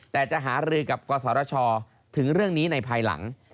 แต่จะหารือกับกศชถึงเรื่องนี้ในภายหลัง